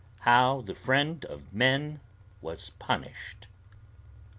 HOW THE FRIEND OF MEN WAS PUNISHED.